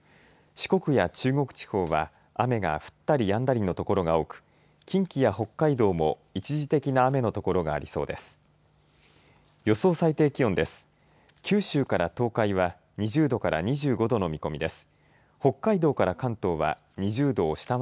四国や中国地方は雨が降ったりやんだりの所が多く近畿や北海道も一時的な雨の所がありそうです。